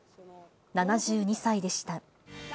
７２歳でした。